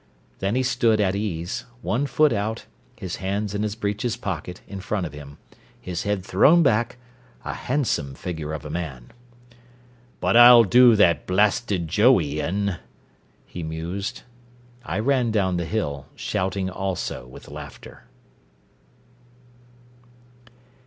Then he stood at ease, one foot out, his hands in his breeches pocket, in front of him, his head thrown back, a handsome figure of a man. "But I'll do that blasted Joey in " he mused, I ran down the hill, shouting also with laughter.